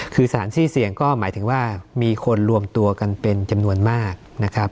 คือสถานที่เสี่ยงก็หมายถึงว่ามีคนรวมตัวกันเป็นจำนวนมากนะครับ